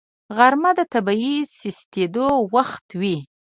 غرمه د طبیعي سستېدو وخت وي